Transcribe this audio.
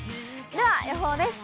では、予報です。